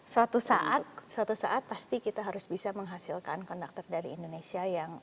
suatu saat suatu saat pasti kita harus bisa menghasilkan konduktor dari indonesia yang